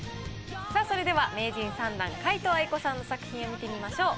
さあそれでは名人３段皆藤愛子さんの作品を見てみましょう。